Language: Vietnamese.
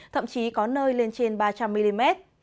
thậm chí có nơi lên trên ba trăm linh mm